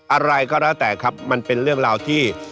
อะไรก็แล้วแต่ครับมันเป็นเรื่องราวที่